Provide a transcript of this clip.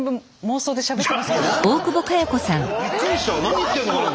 怖っ！びっくりしたわ何言ってるのかなと。